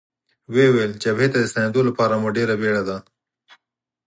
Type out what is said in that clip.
ویې ویل: جبهې ته د ستنېدو لپاره مو ډېره بېړه ده.